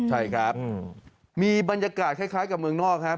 ใช่ครับมีบรรยากาศคล้ายกับเมืองนอกครับ